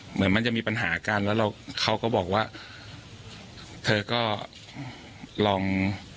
เหมือนมันจะมีปัญหากันแล้วเราเขาก็บอกว่าเธอก็ลอง